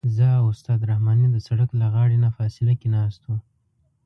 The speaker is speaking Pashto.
زه او استاد رحماني د سړک له غاړې نه فاصله کې ناست وو.